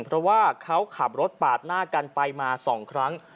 เพราะว่าเขาขับรถปาดหน้ากันไปมา๒ครั้ง